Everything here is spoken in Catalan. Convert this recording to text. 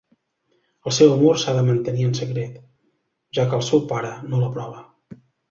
El seu amor s'ha de mantenir en secret, ja que el seu pare no l'aprova.